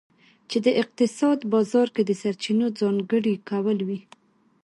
چې د اقتصاد بازار کې د سرچینو ځانګړي کول وي.